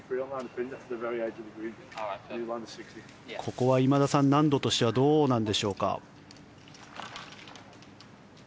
ここは今田さん、難度としてはどうなんでしょうか。